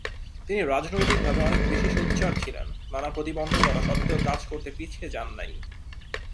তিনি রাজনৈতিকভাবে অনেক বেশি সোচ্চার ছিলেন, নানা প্রতিবন্ধকতা সত্ত্বেও কাজ করতে পিছিয়ে যান নাই।